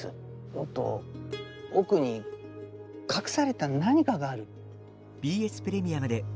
もっと奥に隠された何かがある。